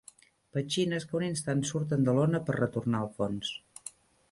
Petxines que un instant surten de l’ona per retornar al fons.